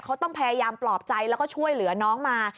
พยายามปลอบใจแล้วก็ช่วยเหลือน้องมา